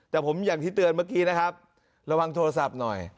แต่ผมอย่างที่เตือนเมื่อกี้นะครับระวังโทรศัพท์หน่อย